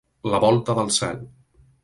La volta del cel.